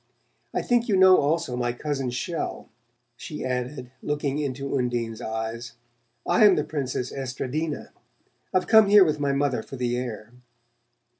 I think you know also my cousin Chelles," she added, looking into Undine's eyes. "I am the Princess Estradina. I've come here with my mother for the air."